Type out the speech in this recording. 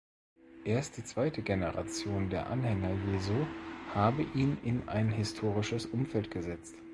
Erst die zweite Generation der Anhänger Jesu habe ihn in ein historisches Umfeld gesetzt.